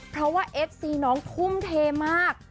เพราะว่าเอฟซีน้องทุ่มเทมาก